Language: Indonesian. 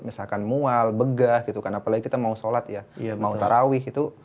misalkan mual begah gitu kan apalagi kita mau sholat ya mau tarawih itu